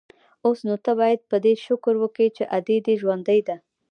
اوس نو ته بايد په دې شکر وکې چې ادې دې ژوندۍ ده.